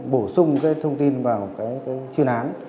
bổ sung cái thông tin vào cái chuyên án